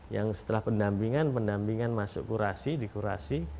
yang setelah pendampingan pendampingan masuk kurasi di kurasi